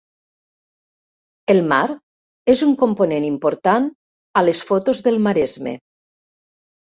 El mar és un component important a les fotos del Maresme.